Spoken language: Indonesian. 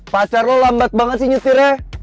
pacar lo lambat banget sih nyetirnya